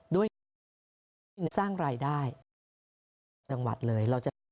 ด้วยสร้างรายได้จังหวัดเลย